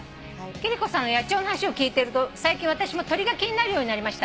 貴理子さんの野鳥の話を聞いてると最近私も鳥が気になるようになりました」